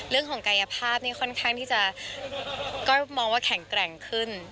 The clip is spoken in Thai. เรื่องของกายภาพนี่ค่อนข้างที่จะก็มองว่าแข็งแกร่งขึ้น